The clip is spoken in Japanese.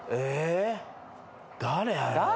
誰？